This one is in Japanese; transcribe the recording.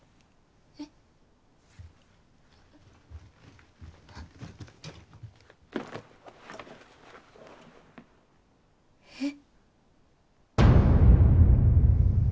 えっ？えっ。